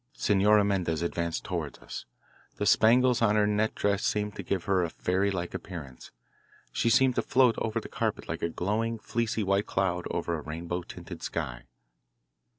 Senora Mendez advanced toward us. The spangles on her net dress seemed to give her a fairy like appearance; she seemed to float over the carpet like a glowing, fleecy, white cloud over a rainbow tinted sky.